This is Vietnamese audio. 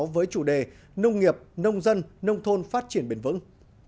với chủ đề nông nghiệp nông dân nông thôn phát triển bền vững